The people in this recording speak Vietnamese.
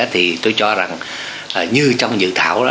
thì tôi cho rằng như trong dự thảo